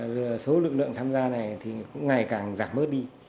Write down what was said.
và số lực lượng tham gia này cũng ngày càng giảm bớt đi